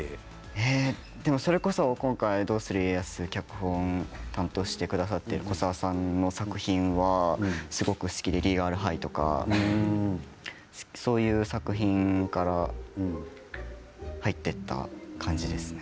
それこそ今回「どうする家康」の脚本の古沢さんの作品がすごく好きで「リーガル・ハイ」とかそういう作品から入っていった感じですね。